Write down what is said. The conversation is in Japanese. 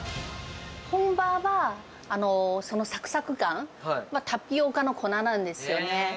本場は、そのさくさく感、タピオカの粉なんですよね。